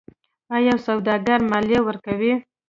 آیا سوداګر مالیه ورکوي؟